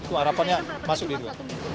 itu harapannya masuk di dua